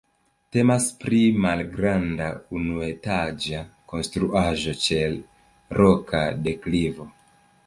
Temas pri malgranda, unuetaĝa konstruaĵo ĉe roka deklivo.